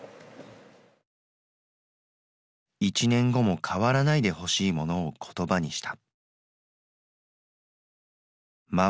１年後も変わらないでほしいものを言葉にした。